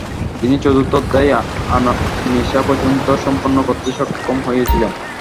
তিনি চতুর্থ অধ্যায় আন-নিসা পর্যন্ত সম্পন্ন করতে সক্ষম হয়েছিলেন।